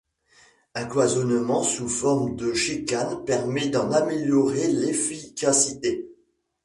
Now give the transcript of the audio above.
Un cloisonnement sous forme de chicanes permet d'en améliorer l’efficacité.